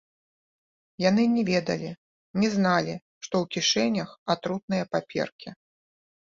Яны не ведалі, не зналі, што ў кішэнях атрутныя паперкі.